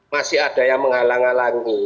masih ada yang menghalang halangi